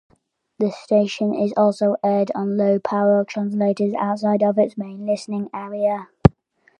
The station is also aired on low-powered translators outside of its main listening area.